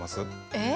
えっ⁉